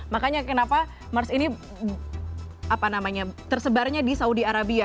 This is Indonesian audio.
makanya kenapa mers ini tersebarnya di saudi arabia